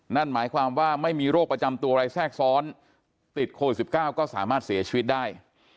นั่นหมายความว่าไม่มีโรคประจำตัวอะไรแทรกซ้อนติดโควิด๑๙ก็สามารถเสียชีวิตได้